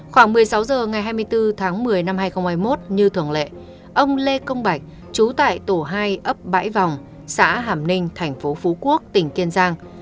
khoảng một mươi sáu h ngày hai mươi bốn tháng một mươi năm hai nghìn hai mươi một như thường lệ ông lê công bạch trú tại tổ hai ấp bãi vòng xã hàm ninh thành phố phú quốc tỉnh kiên giang